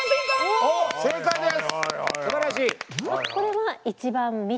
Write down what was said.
お正解です！